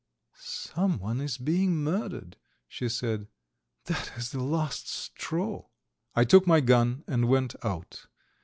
"Someone is being murdered," she said. "That is the last straw." I took my gun and went out.